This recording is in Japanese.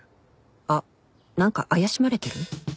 あっ何か怪しまれてる？